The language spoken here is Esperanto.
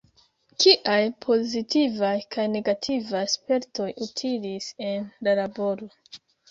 Kiaj pozitivaj kaj negativaj spertoj utilis en la laboro?